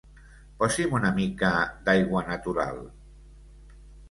Posi'm una mica d'aigua natural.